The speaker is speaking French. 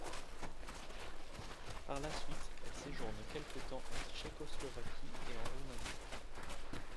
Par la suite, elle séjourne quelque temps en Tchécoslovaquie et en Roumanie.